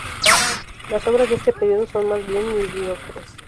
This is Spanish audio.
Las obras de este periodo son más bien mediocres.